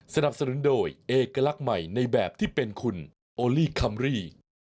สนับสนุนโดยเอกลักษณ์ใหม่ในแบบที่เป็นคุณโอลี่คัมรี่